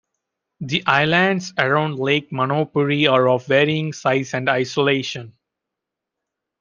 The islands around Lake Manapouri are of varying size and isolation.